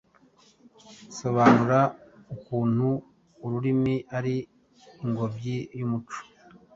Sobanura ukuntu ururimi ari ingobyi y’umuco.